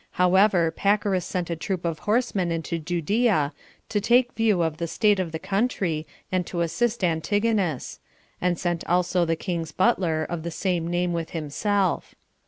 However, Pacorus sent a troop of horsemen into Judea, to take a view of the state of the country, and to assist Antigonus; and sent also the king's butler, of the same name with himself.